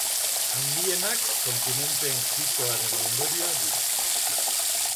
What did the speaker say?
Handienak kontinenteen jitoaren ondorioa dira.